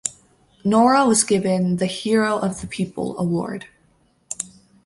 Nora was given the "Hero of the People" award.